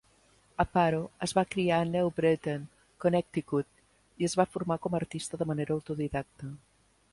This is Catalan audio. Aparo es va criar a New Britain, Connecticut, i es va formar com a artista de manera autodidacta.